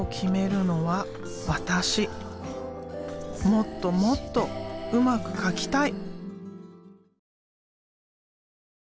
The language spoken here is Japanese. もっともっとうまく描きたい！